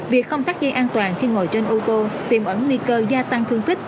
việc không tắt dây an toàn khi ngồi trên ô tô tiềm ẩn nguy cơ gia tăng thương tích